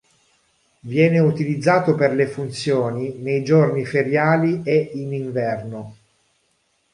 Viene utilizzato per le funzioni nei giorni feriali e in inverno.